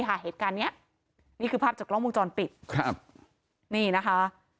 เหตุการณ์เนี้ยนี่คือภาพจากกล้องวงจรปิดครับนี่นะคะ